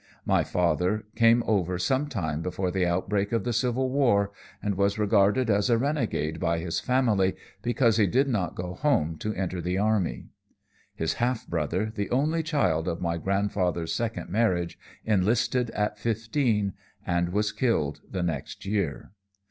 My father came over some time before the outbreak of the Civil War, and was regarded as a renegade by his family because he did not go home to enter the army. His half brother, the only child of my grandfather's second marriage, enlisted at fifteen and was killed the next year.